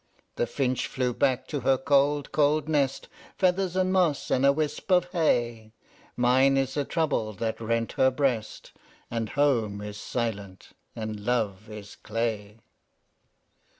The finch flew back to her cold, cold nest, Feathers and moss, and a wisp of hay, Mine is the trouble that rent her breast, And home is silent, and love is clay.